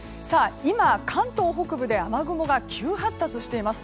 今、関東北部で雨雲が急発達しています。